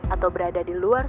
atau berada di luar